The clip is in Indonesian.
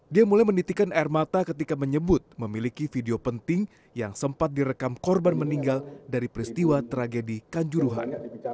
dia mulai menitikan air mata ketika menyebut memiliki video penting yang sempat direkam korban meninggal dari peristiwa tragedi kanjuruhan